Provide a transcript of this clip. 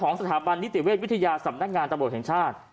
สถาบันนิติเวชวิทยาสำนักงานตำรวจแห่งชาติ